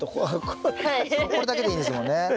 これだけでいいんですもんね。